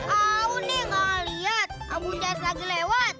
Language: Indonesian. aku nih gak liat aku cari lagi lewat